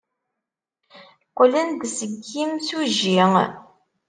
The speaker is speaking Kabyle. Qqlen-d seg yimsujji.